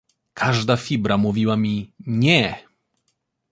"Każda fibra mówiła mi: nie!"